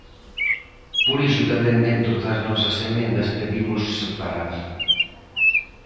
Por iso tamén dentro das nosas emendas pedimos separar.